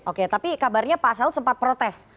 oke tapi kabarnya pak saud sempat protes